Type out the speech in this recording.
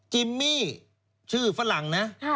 จิมมี่ชื่อฝรั่งนะ